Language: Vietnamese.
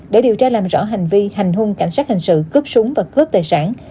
để điều tra làm rõ hành vi hành hung cảnh sát hình sự cướp súng và cướp tài sản